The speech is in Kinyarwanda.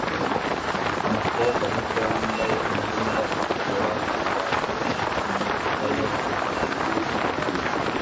Umukobwa muto wambaye imyenda itukura yitwaje imifuka yo guhaha